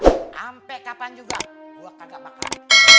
sampe kapan juga gua kagak pakan